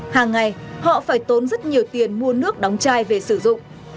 hàng ngày họ phải tốn rất nhiều tiền mua nước đóng chai về sử dụng